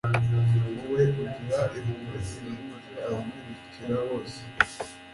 wowe ugirira impuhwe zihebuje abakwirukira bose